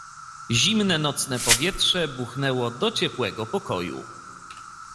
"Zimne nocne powietrze buchnęło do ciepłego pokoju."